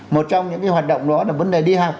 một trong những hoạt động đó là vấn đề đi học